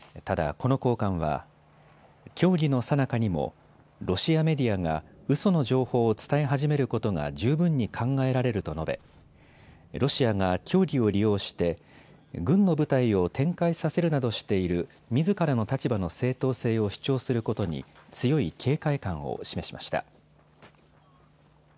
ただ、この高官は協議のさなかにもロシアメディアがうその情報を伝え始めることが十分に考えられると述べロシアが協議を利用して軍の部隊を展開させるなどしているみずからの立場の正当性を主張することに強い警戒感を示しました。